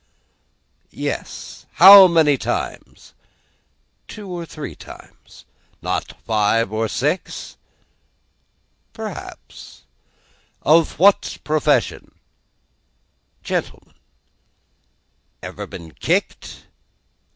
Yes. How many times? Two or three times. Not five or six? Perhaps. Of what profession? Gentleman. Ever been kicked?